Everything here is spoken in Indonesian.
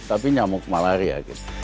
tapi nyamuk malaria